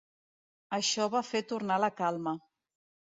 Això va fer tornar la calma.